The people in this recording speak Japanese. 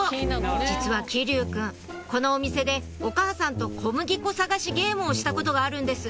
実は騎琉くんこのお店でお母さんと小麦粉探しゲームをしたことがあるんです